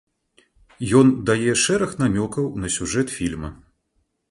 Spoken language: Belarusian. Ён дае шэраг намёкаў на сюжэт фільма.